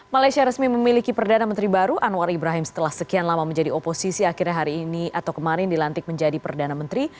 malaysia resmi memiliki perdana menteri baru anwar ibrahim setelah sekian lama menjadi oposisi akhirnya hari ini atau kemarin dilantik menjadi perdana menteri